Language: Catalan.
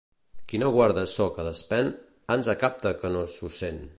Qui no guarda ço que despèn, ans acapta que no s'ho sent.